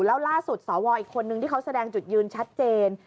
แล้วล่าสุดสวอีกคนนึงที่เขาแสดงจุดยืนชัดเจน